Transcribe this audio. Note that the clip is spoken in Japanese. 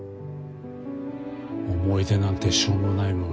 想い出なんてしょうもないもの